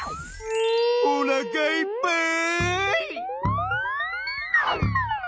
おなかいっぱい！